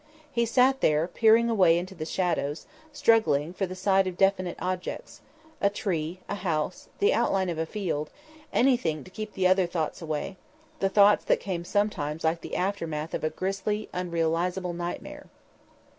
He sat there, peering away into the shadows, struggling for the sight of definite objects a tree, a house, the outline of a field anything to keep the other thoughts away, the thoughts that came sometimes like the aftermath of a grisly, unrealisable nightmare.